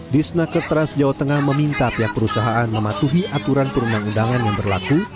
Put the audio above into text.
disna keteras jawa tengah meminta pihak perusahaan mematuhi aturan perundang undangan yang berlaku